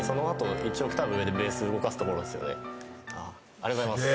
ありがとうございます。